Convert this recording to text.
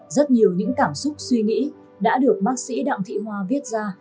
rất nhiều những cảm xúc suy nghĩ đã được bác sĩ đặng thị hoa viết ra